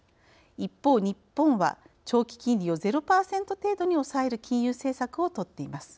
一方、日本は、長期金利を０％程度に抑える金融政策をとっています。